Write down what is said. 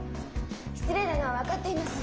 失礼なのは分かっています。